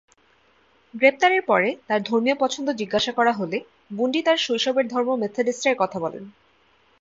গ্রেপ্তারের পরে তাঁর ধর্মীয় পছন্দ জিজ্ঞাসা করা হলে, বুন্ডি তার শৈশবের ধর্ম "মেথোডিস্ট" এর কথা বলেন।